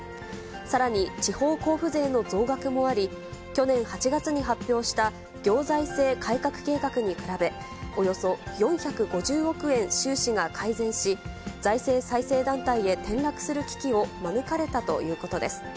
さらに、地方交付税の増額もあり、去年８月に発表した行財政改革計画に比べ、およそ４５０億円収支が改善し、財政再生団体へ転落する危機を免れたということです。